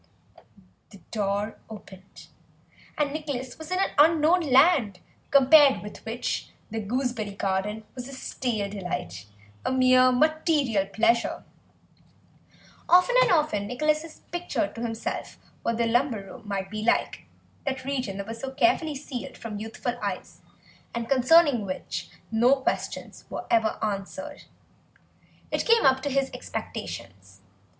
The door opened, and Nicholas was in an unknown land, compared with which the gooseberry garden was a stale delight, a mere material pleasure. Often and often Nicholas had pictured to himself what the lumber room might be like, that region that was so carefully sealed from youthful eyes and concerning which no questions were ever answered. It came up to his expectations.